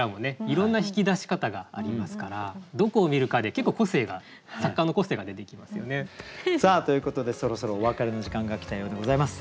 いろんな引き出し方がありますからどこを見るかで結構作家の個性が出てきますよね。ということでそろそろお別れの時間が来たようでございます。